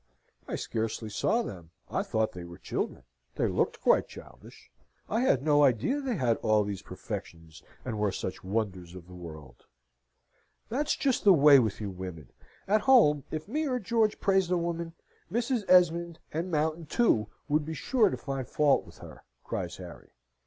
I scarcely saw them. I thought they were children. They looked quite childish. I had no idea they had all these perfections, and were such wonders of the world." "That's just the way with you women! At home, if me or George praised a woman, Mrs. Esmond. and Mountain, too, would be sure to find fault with her!" cries Harry.